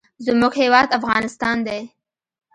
زموږ هیواد افغانستان دی.